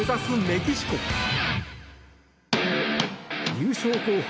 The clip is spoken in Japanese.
優勝候補